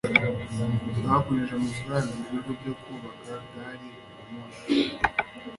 bagurije amafaranga ibigo byo kubaka gari ya moshi